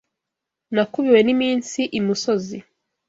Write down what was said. Nakubiwe n’iminsi imusozi